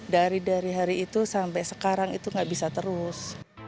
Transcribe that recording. dari dari hari itu sampai sekarang itu nggak bisa terus